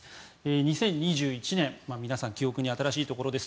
２０２１年、皆さん記憶に新しいところです。